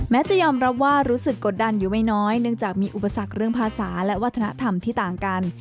จะยอมรับว่ารู้สึกกดดันอยู่ไม่น้อยเนื่องจากมีอุปสรรคเรื่องภาษาและวัฒนธรรมที่ต่างกัน